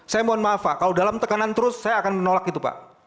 saya mohon maaf pak kalau dalam tekanan terus saya akan menolak itu pak